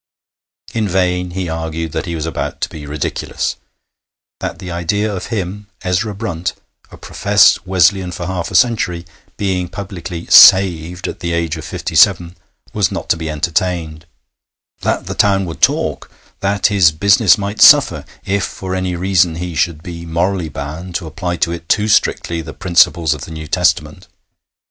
In vain he argued that he was about to be ridiculous; that the idea of him, Ezra Brunt, a professed Wesleyan for half a century, being publicly 'saved' at the age of fifty seven was not to be entertained; that the town would talk; that his business might suffer if for any reason he should be morally bound to apply to it too strictly the principles of the New Testament.